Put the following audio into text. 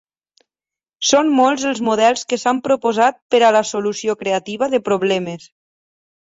Són molts els models que s’han proposat per a la solució creativa de problemes.